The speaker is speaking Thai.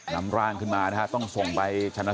นำร่างขึ้นมานะครับต้องส่งไปที่ลูกชายนะครับ